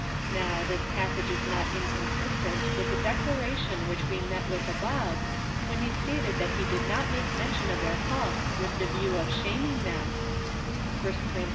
Now this passage is not inconsistent with the declaration which we met with above, when he stated that he did not make mention of their faults with the view of shaming them, (1 Cor, iv.